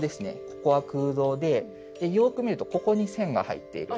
ここは空洞でよく見るとここに線が入っている。